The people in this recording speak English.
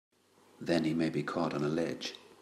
Then he may be caught on a ledge!